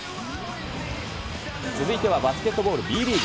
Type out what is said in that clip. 続いてはバスケットボール、Ｂリーグ。